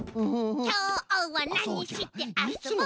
きょうはなにしてあそぼっかなっと。